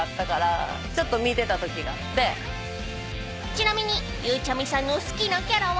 ［ちなみにゆうちゃみさんの好きなキャラは？］